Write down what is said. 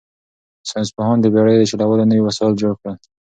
ساینس پوهانو د بېړیو د چلولو نوي وسایل جوړ کړل.